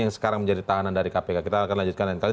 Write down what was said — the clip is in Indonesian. yang sekarang menjadi tahanan dari kpk kita akan lanjutkan lain kali